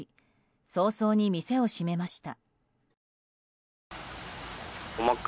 早々に店を閉めました。